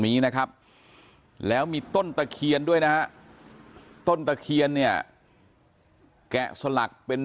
นี้นะครับแล้วมีต้นตะเคียนด้วยนะฮะต้นตะเคียนเนี่ยแกะสลักเป็น